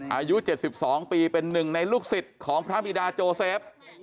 อายุ๗๒ปีเป็นหนึ่งในลูกศิษย์ของพระบิดาโจเซฟ